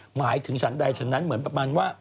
หมายถึงฉันใดฉันนั้นเหมือนประมาณว่า